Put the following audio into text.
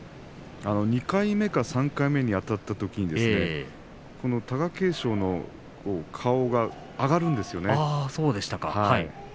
２回目か３回目にあたったときに貴景勝の顔が上がるんですね。